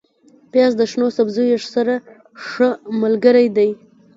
پیاز د شنو سبزیو سره ښه ملګری دی